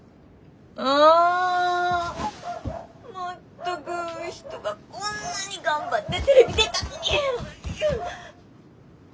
全く人がこんなに頑張ってテレビ出たのに。